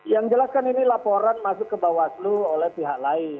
yang jelas kan ini laporan masuk ke bawaslu oleh pihak lain